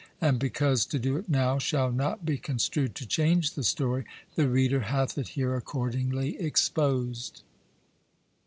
And because to do it now shall not be construed to change the story, the reader hath it here accordingly exposed.